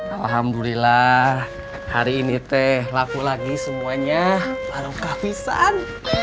alhamdulillah hari ini teh laku lagi semuanya lalu kafisan